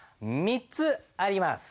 ３つあります。